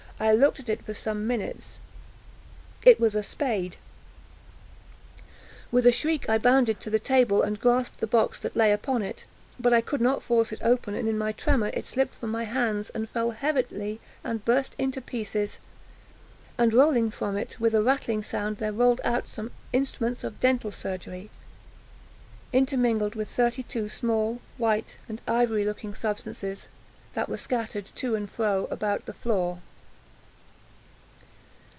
I looked at it for some minutes: it was a spade. With a shriek I bounded to the table, and grasped the box that lay upon it. But I could not force it open; and in my tremor, it slipped from my hands, and fell heavily, and burst into pieces; and from it, with a rattling sound, there rolled out some instruments of dental surgery, intermingled with thirty two small, white and ivory looking substances that were scattered to and fro about the floor.